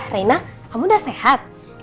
reina kamu udah sehat